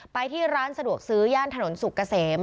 ไปที่ร้านสะดวกซื้อย่านถนนสุกเกษม